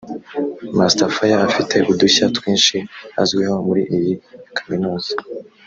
Master Fire afite udushya twinshi azwiho muri iyi Kaminuza